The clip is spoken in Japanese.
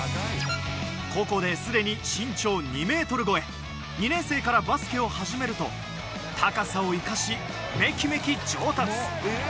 高校ですでに身長２ｍ超え、２年生からバスケを始めると、高さを生かし、めきめき上達。